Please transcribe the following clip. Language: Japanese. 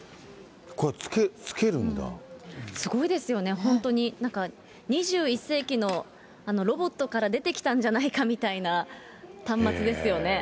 すごいですよね、本当に、なんか２１世紀のロボットから出てきたんじゃないかみたいな端末ですよね。